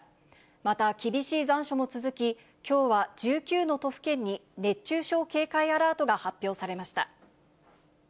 また厳しい残暑も続き、きょうは１９の都府県に熱中症警戒アラートが発表されました。